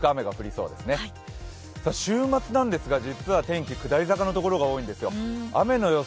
週末なんですが、実は天気下り坂のところが多いんですよ。